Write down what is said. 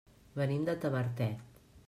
Venim de Tavertet.